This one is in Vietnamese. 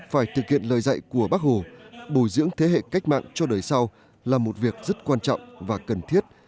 phải thực hiện lời dạy của bác hồ bồi dưỡng thế hệ cách mạng cho đời sau là một việc rất quan trọng và cần thiết